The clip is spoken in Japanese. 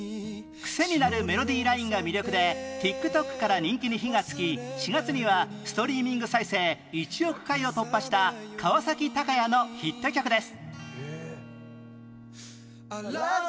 クセになるメロディーラインが魅力で ＴｉｋＴｏｋ から人気に火がつき４月にはストリーミング再生１億回を突破した川崎鷹也のヒット曲です